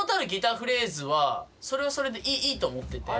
フレーズはそれはそれでいいと思ってて。